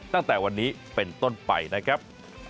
ตั้งแต่วันนี้เป็นต้นไปนะครับ